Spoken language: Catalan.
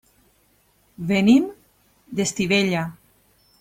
Venim d'Estivella.